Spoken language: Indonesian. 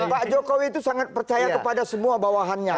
pak jokowi itu sangat percaya kepada semua bawahannya